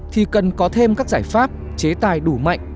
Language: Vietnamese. thì cần có thêm các giải pháp chế tài đủ mạnh